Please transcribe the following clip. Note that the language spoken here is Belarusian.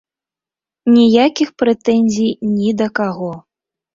Ніякіх прэтэнзій ні да каго.